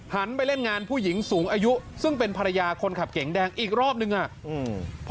ไปเล่นงานผู้หญิงสูงอายุซึ่งเป็นภรรยาคนขับเก๋งแดงอีกรอบนึงอ่ะอืม